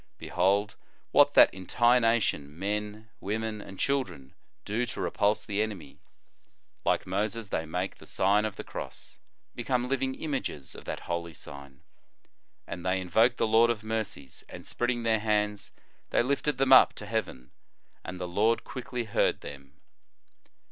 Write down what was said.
Be hold what that entire nation, men, women, and children, do to repulse the enemy. Like Moses, they make the Sign of the Cross ; become living images of that holy sign. " And they invoked the Lord of mercies, and spreading their hands, they lifted them up to heaven. And the Lord quickly heard them."